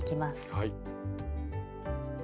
はい。